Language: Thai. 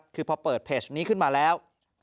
คือพอเปิดเพจนี้ขึ้นมาแล้ว